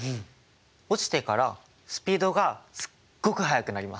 落ちてからスピードがすっごく速くなります。